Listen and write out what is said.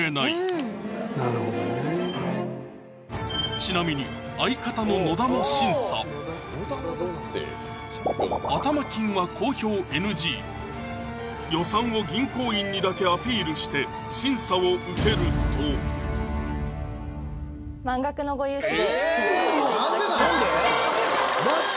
ちなみに頭金は公表ＮＧ予算を銀行員にだけアピールして審査を受けるとえ何でなんすか？マジで？